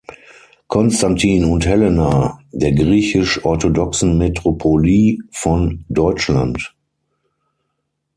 Konstantin und Helena" der Griechisch-orthodoxen Metropolie von Deutschland.